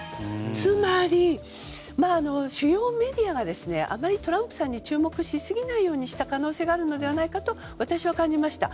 つまり、主要メディアがあまりトランプさんに注目しすぎないようにした可能性があるのではないかと私は感じました。